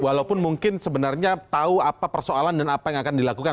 walaupun mungkin sebenarnya tahu apa persoalan dan apa yang akan dilakukan